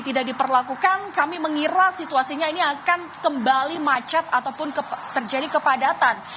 tidak diperlakukan kami mengira situasinya ini akan kembali macet ataupun terjadi kepadatan